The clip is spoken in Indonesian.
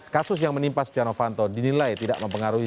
kasus yang menimpa stiano vanto dinilai tidak mempengaruhi